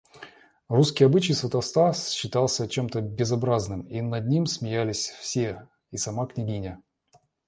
Русский обычай сватовства считался чем-то безобразным, над ним смеялись все и сама княгиня.